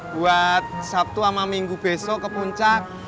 buat sabtu sama minggu besok ke puncak